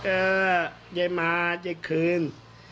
เอ๊ะใยมาใยคืน